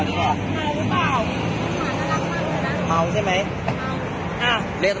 เดี๋ยวเราเรียกตำรวจก่อน